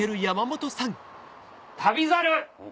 『旅猿』